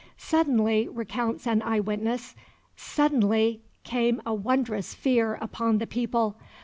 "Suddenly," recounts an eye witness, "suddenly came a wondrous fear upon the people